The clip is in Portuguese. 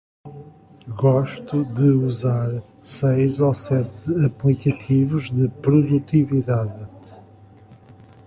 Gosto de usar seis ou sete aplicativos de produtividade.